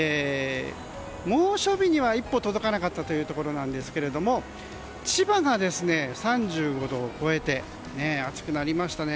猛暑日には一歩届かなかったというところなんですが千葉が３５度を超えて暑くなりましたね。